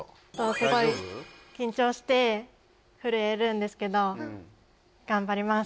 すごい緊張して震えるんですけど頑張ります